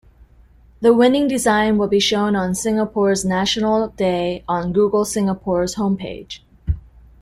The winning design will be shown on Singapore's National Day on Google Singapore's homepage.